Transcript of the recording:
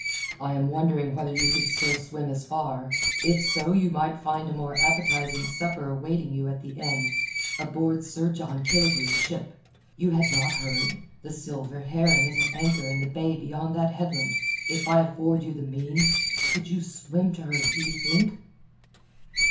"I am wondering whether you could still swim as far. If so you might find a more appetizing supper awaiting you at the end—aboard Sir John Killigrew's ship. You had not heard? The Silver Heron is at anchor in the bay beyond that headland. If I afford you the means, could you swim to her do you think?"